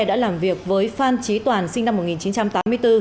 đã làm việc với phan trí toàn sinh năm một nghìn chín trăm tám mươi bốn